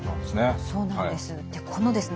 そうなんです。